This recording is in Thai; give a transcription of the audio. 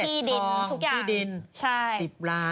ที่ดินทุกอย่างที่ดิน๑๐ล้าน